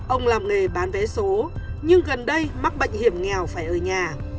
ông làm nghề bán vé số nhưng gần đây mắc bệnh hiểm nghèo phải ở nhà